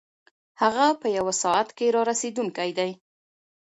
هغه په یوه ساعت کې رارسېدونکی دی.